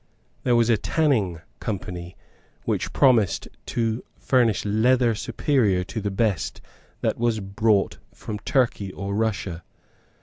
There was a Tanning Company which promised to furnish leather superior to the best that was brought from Turkey or Russia.